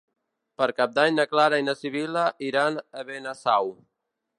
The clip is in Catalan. Per Cap d'Any na Clara i na Sibil·la iran a Benasau.